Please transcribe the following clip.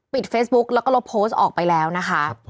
เฟซบุ๊กแล้วก็ลบโพสต์ออกไปแล้วนะคะ